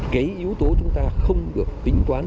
cái yếu tố chúng ta không được tính toán